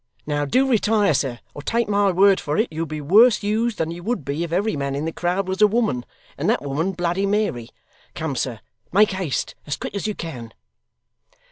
Now do retire, sir, or take my word for it you'll be worse used than you would be if every man in the crowd was a woman, and that woman Bloody Mary. Come, sir, make haste as quick as you can.